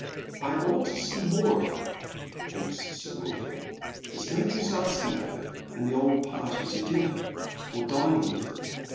" I ought to see more of her," thinks Sir Wilford. " It's no use asking her and the old party to dinner, or dining with them.